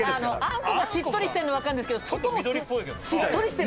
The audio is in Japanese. あんこがしっとりしてるのはわかるんですけど外もしっとりしてる。